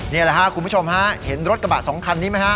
นี่แหละครับคุณผู้ชมฮะเห็นรถกระบะสองคันนี้ไหมฮะ